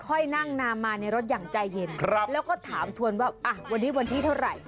ค่อยนั่งนามมาในรถอย่างใจเย็นครับแล้วก็ถามทวนว่าอ่ะวันนี้วันที่เท่าไหร่